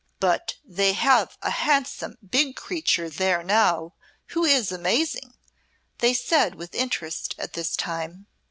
"But they have a handsome big creature there now, who is amazing," they said with interest at this time.